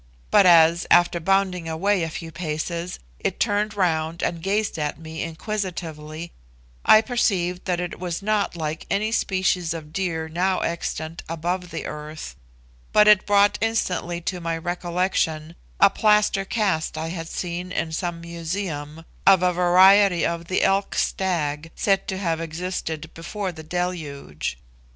But as, after bounding away a few paces, it turned round and gazed at me inquisitively, I perceived that it was not like any species of deer now extant above the earth, but it brought instantly to my recollection a plaster cast I had seen in some museum of a variety of the elk stag, said to have existed before the Deluge.